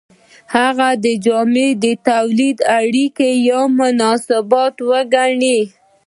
د هغه جامې د تولید اړیکې یا مناسبات وګڼئ.